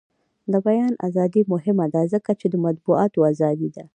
د بیان ازادي مهمه ده ځکه چې د مطبوعاتو ازادي ده.